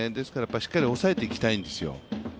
しっかり抑えていきたいんですよ。